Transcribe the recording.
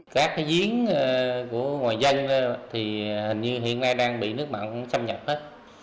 các cái diễn của ngoài dân thì hình như hiện nay đang bị nước mặn cũng xâm nhập hết